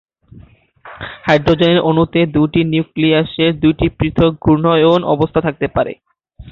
হাইড্রোজেনের অণুতে দুটি নিউক্লিয়াসের দুটি পৃথক ঘূর্ণন অবস্থা থাকতে পারে।